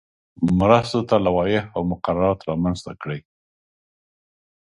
مرستو ته لوایح او مقررات رامنځته کړي وای.